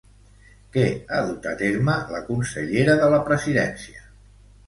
Què ha dut a terme la consellera de la Presidència?